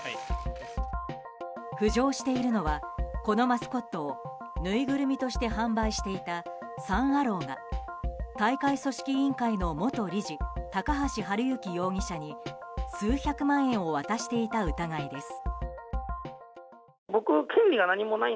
浮上しているのはこのマスコットをぬいぐるみとして販売していたサン・アローが大会組織委員会の元理事高橋治之容疑者に数百万円を渡していた疑いです。